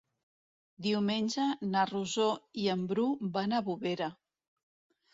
Diumenge na Rosó i en Bru van a Bovera.